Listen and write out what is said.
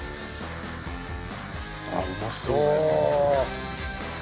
あっうまそう。